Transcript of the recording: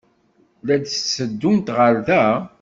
La d-tteddunt ɣer da?